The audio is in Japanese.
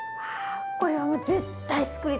これはもう絶対つくりたいです。